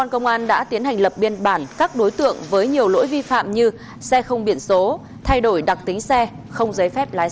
công an đã tiến hành lập biên bản các đối tượng với nhiều lỗi vi phạm như xe không biển số thay đổi đặc tính xe không giấy phép lái xe